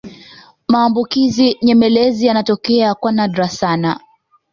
maambukizi nyemelezi yanatokea kwa nadra sana